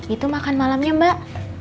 itu makan malamnya mbak